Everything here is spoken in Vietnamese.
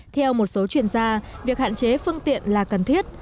theo một số chuyên gia việc hạn chế phương tiện là cần thiết